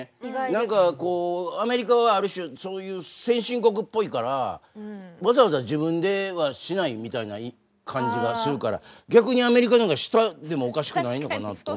何かこうアメリカはある種そういう先進国っぽいからわざわざ自分ではしないみたいな感じがするから逆にアメリカの方が下でもおかしくないのかなと思ったら。